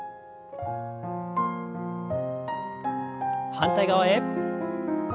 反対側へ。